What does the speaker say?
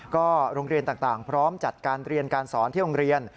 ก็โรงเรียนต่างพร้อมจัดการเรียนการสอนที่โรงเรียน